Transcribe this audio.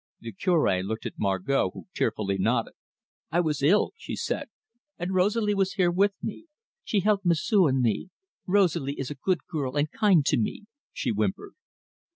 The Cure looked at Margot, who tearfully nodded. "I was ill," she said, "and Rosalie was here with me. She helped M'sieu' and me. Rosalie is a good girl, and kind to me," she whimpered.